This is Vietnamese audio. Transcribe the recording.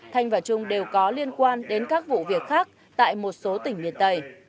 thanh và trung đều có liên quan đến các vụ việc khác tại một số tỉnh miền tây